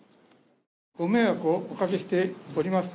ご迷惑をおかけしております